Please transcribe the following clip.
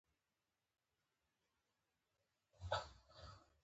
الوتکه د وروڼو، خوېندو او دوستانو ملاقات آسانوي.